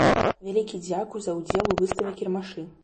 Вялікі дзякуй за ўдзел у выставе-кірмашы.